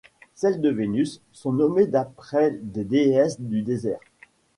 Celles de Vénus sont nommées d'après des déesses du désert.